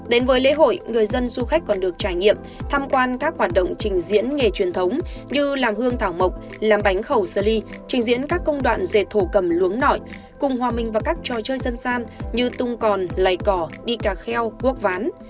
đến với lễ hội người dân du khách còn được trải nghiệm tham quan các hoạt động trình diễn nghề truyền thống như làm hương thảo mộc làm bánh khẩu sơn ly trình diễn các công đoạn dệt thổ cầm luống nội cùng hòa minh vào các trò chơi dân gian như tung còn lầy cỏ đi cà kheo cuốc ván